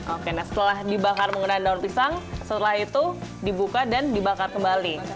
oke nah setelah dibakar menggunakan daun pisang setelah itu dibuka dan dibakar kembali